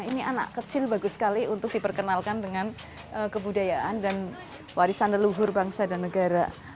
ini anak kecil bagus sekali untuk diperkenalkan dengan kebudayaan dan warisan leluhur bangsa dan negara